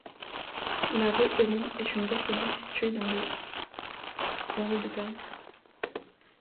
La rue Aumont est une voie publique située dans le de Paris.